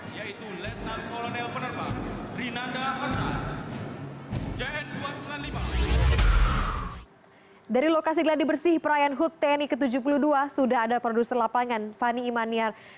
hai dari lokasi gelade bersih perayaanomie tujuh puluh dua sudah ada produser lapangan fani maniah